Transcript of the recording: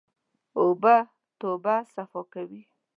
اوبه د توبه صفا کوي.